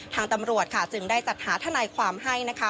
ทางตำรวจค่ะจึงได้จัดหาทนายความให้นะคะ